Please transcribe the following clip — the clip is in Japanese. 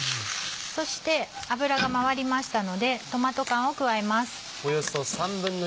そして油が回りましたのでトマト缶を加えます。